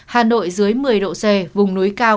hà nội dưới một mươi độ c vùng núi cao